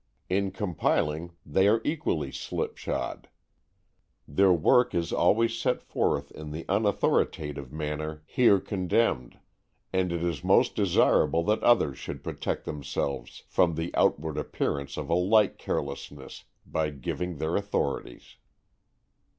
In compiling, they are equally slipshod. Their work is always set forth in the unauthoritative manner here condemned, and it is most desirable that others should protect themselves from the outward appearance of a like carelessness by giving their authorities.